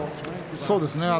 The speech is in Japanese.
そうですね